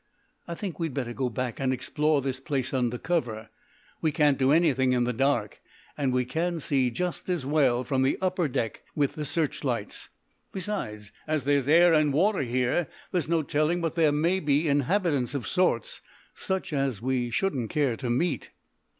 I think we'd better go back and explore this place under cover. We can't do anything in the dark, and we can see just as well from the upper deck with the searchlights. Besides, as there's air and water here, there's no telling but there may be inhabitants of sorts such as we shouldn't care to meet."